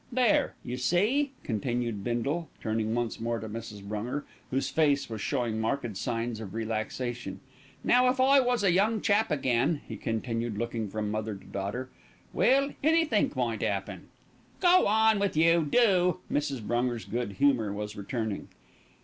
"There, you see," continued Bindle, turning once more to Mrs. Brunger, whose face was showing marked signs of relaxation. "Now, if I was a young chap again," he continued, looking from mother to daughter, "well, anythink might 'appen." "Go on with you, do." Mrs. Brunger's good humour was returning.